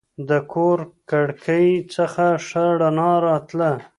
د کور کړکۍ څخه ښه رڼا راتله.